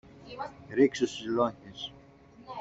Ρίξου στις λόγχες